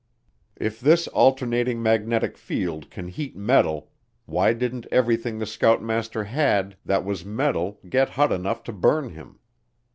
If this alternating magnetic field can heat metal, why didn't everything the scoutmaster had that was metal get hot enough to burn him?